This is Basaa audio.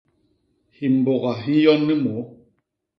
Himbôga hi nyon ni môô.